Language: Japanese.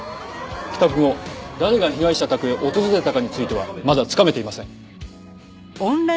帰宅後誰が被害者宅を訪れたかについてはまだつかめていません。